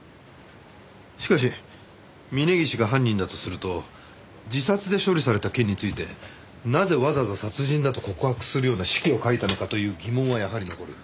しかし峰岸が犯人だとすると自殺で処理された件についてなぜわざわざ殺人だと告白するような手記を書いたのかという疑問はやはり残る。